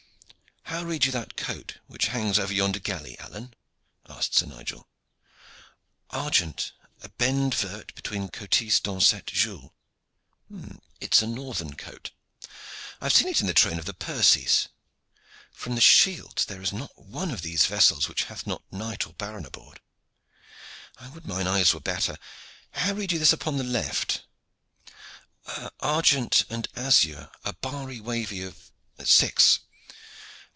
"How read you that coat which hangs over yonder galley, Alleyne?" asked Sir Nigel. "Argent, a bend vert between cotises dancette gules." "It is a northern coat. I have seen it in the train of the Percies. From the shields, there is not one of these vessels which hath not knight or baron aboard. I would mine eyes were better. How read you this upon the left?" "Argent and azure, a barry wavy of six."